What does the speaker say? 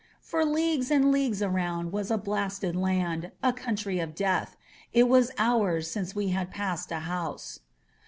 For leagues and leagues around was a blasted land, a country of death. It was hours since we had passed a house.